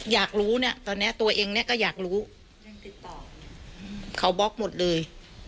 อยากรู้เนี่ยตอนเนี้ยตัวเองเนี่ยก็อยากรู้ยังติดต่อเขาบล็อกหมดเลย